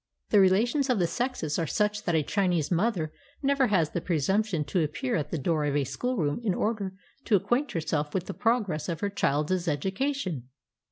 The relations of the sexes are such that a Chinese mother never has the presumption to appear at the door of a schoolroom in order to acquaint herself with the progress of her child's education.